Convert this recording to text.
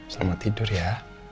selamat tidur ya